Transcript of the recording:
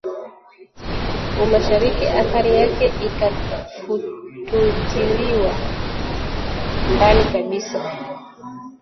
umashariki athari yake ikafututiliwa mbali kabisa